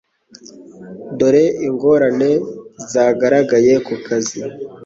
dore Ingorane zagaragaye ku kazi